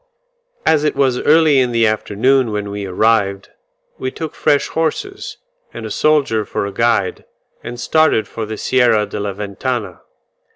As it was early in the afternoon when we arrived, we took fresh horses, and a soldier for a guide, and started for the Sierra de la Ventana.